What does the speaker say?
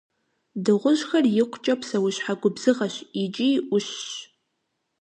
Дыгъужьхэр икъукӏэ псэущхьэ губзыгъэщ икӏи ӏущщ.